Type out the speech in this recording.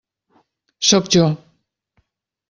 Sóc jo.